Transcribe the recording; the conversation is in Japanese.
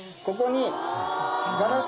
ここに。